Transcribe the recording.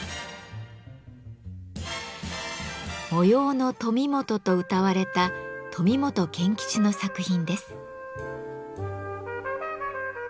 「模様の富本」とうたわれた富本憲吉の作品です。